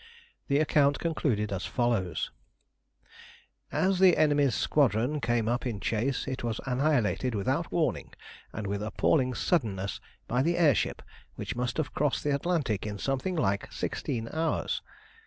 The account concluded as follows: "As the enemy's squadron came up in chase it was annihilated without warning and with appalling suddenness by the air ship, which must have crossed the Atlantic in something like sixteen hours.